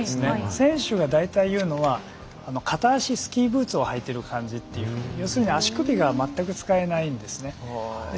選手が大体言うのは片足スキーブーツを履いている感じというようするに足首が全く使えないんです。